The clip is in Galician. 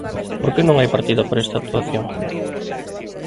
Por que non hai partida para esta actuación?